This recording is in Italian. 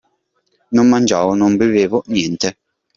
Non mangiavo, non bevevo, niente.